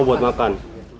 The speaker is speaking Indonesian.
oh buat makan